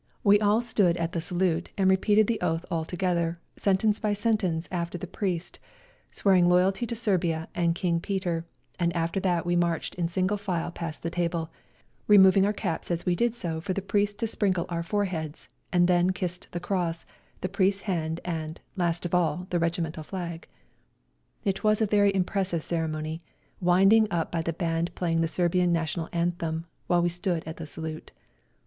We all stood at the salute and 194 WE GO TO CORFU repeated the oath all together, sentence by sentence after the priest, swearing loyalty to Serbia and King Peter, and after that we marched in single file past the table, removing our caps as we did so for the priest to sprinkle our foreheads, and then kissed the cross, the priest's hand, and, last of all, the regimental flag. It was a very impressive ceremony, wind ing up by the band playing the Serbian National Anthem while we stood at the salute.